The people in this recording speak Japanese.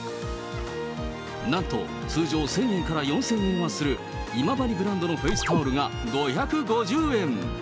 なんと通常１０００円から４０００円はする、今治ブランドのフェイスタオルが５５０円。